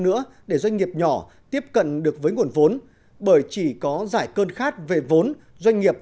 nữa để doanh nghiệp nhỏ tiếp cận được với nguồn vốn bởi chỉ có giải cơn khát về vốn doanh nghiệp